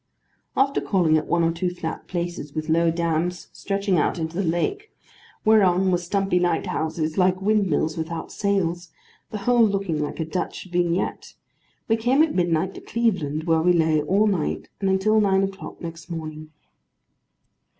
After calling at one or two flat places, with low dams stretching out into the lake, whereon were stumpy lighthouses, like windmills without sails, the whole looking like a Dutch vignette, we came at midnight to Cleveland, where we lay all night, and until nine o'clock next morning.